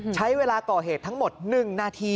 ใช้เวลาก่อเหตุทั้งหมด๑นาที